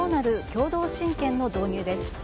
共同親権の導入です。